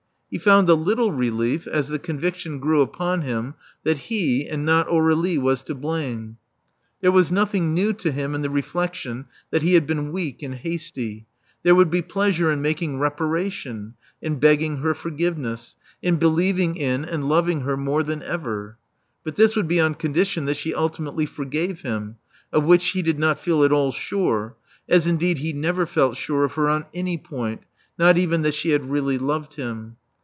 He found a little relief as the conviction grew upon him that he, and not Aur^lie, was to blame. There was nothing new to him in the reflexion that he had been weak and hasty: there would be pleasure in making reparation, in begging her forgiveness, in believing in and loving her more than ever. But this would be on condition that she ultimately forgave him, of which he did not feel at all sure, as indeed he never felt sure of her on any point, not even that she had really loved him.